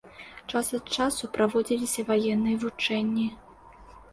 Час ад часу праводзіліся ваенныя вучэнні.